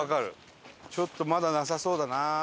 ちょっとまだなさそうだな。